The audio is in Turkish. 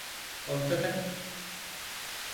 Ortada…